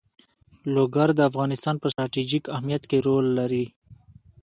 لوگر د افغانستان په ستراتیژیک اهمیت کې رول لري.